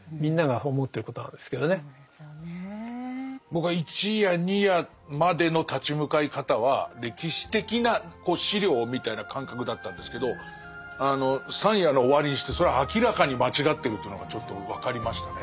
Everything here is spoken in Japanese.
僕は１夜２夜までの立ち向かい方は歴史的な資料みたいな感覚だったんですけどあの３夜の終わりにしてそれは明らかに間違ってるというのがちょっと分かりましたね。